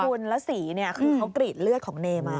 คุณแล้วสีเนี่ยคือเขากรีดเลือดของเนมา